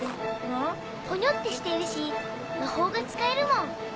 ポニョってしてるし魔法が使えるもん。